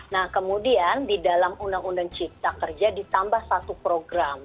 nah kemudian di dalam undang undang cipta kerja ditambah satu program